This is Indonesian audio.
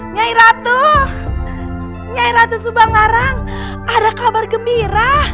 nyai ratu nyai ratu subangarang ada kabar gembira